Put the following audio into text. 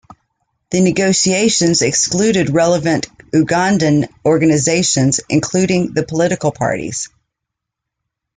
The negotiations excluded relevant Ugandan organisations, including the political parties.